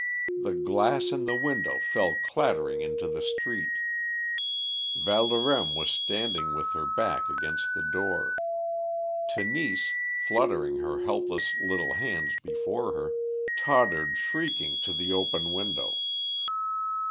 The glass in the window fell clattering into the street. Valdorême was standing with her back against the door. Tenise, fluttering her helpless little hands before her, tottered shrieking to the broken window.